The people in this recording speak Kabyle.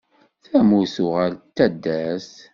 Tamurt tuɣal d taddart.